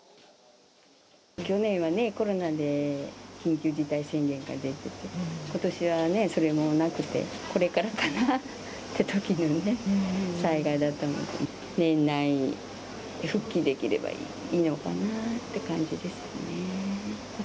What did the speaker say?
去年はね、コロナで緊急事態宣言が出てて、ことしはね、それもなくて、これからかなってときのね、災害だったものでね、年内復帰できればいいのかなって感じですね。